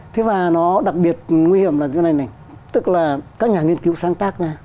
thế và nó đặc biệt nguy hiểm là như thế này này tức là các nhà nghiên cứu sáng tác ra